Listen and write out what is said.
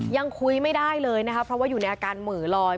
ยังคุยไม่ได้เลยนะคะเพราะว่าอยู่ในอาการเหมือลอย